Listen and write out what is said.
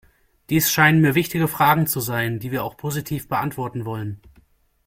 Dies scheinen mir wichtige Fragen zu sein, die wir auch positiv beantworten wollen.